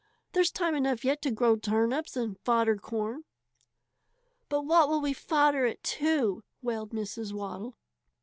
There's time enough yet to grow turnips and fodder corn." "But what will we fodder it to?" wailed Mrs. Waddle. Mr.